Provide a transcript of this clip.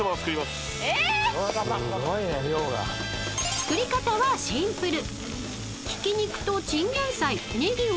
［作り方はシンプル］